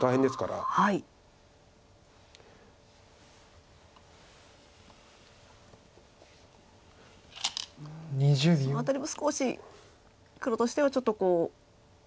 でもその辺りも少し黒としてはちょっとこう。